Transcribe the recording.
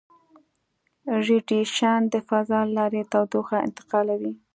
ریډیشن د فضا له لارې تودوخه انتقالوي.